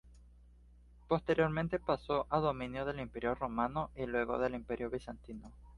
Posteriormente pasó a dominio del Imperio romano y luego del Imperio bizantino.